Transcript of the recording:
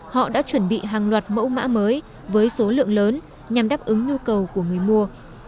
họ đã chuẩn bị hàng loạt mẫu mã mới với số lượng lớn nhằm đáp ứng nhu cầu của người mua